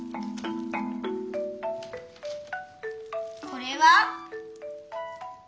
これは？